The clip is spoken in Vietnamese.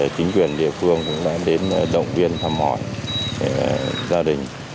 chính quyền địa phương cũng đã đến động viên thăm hỏi gia đình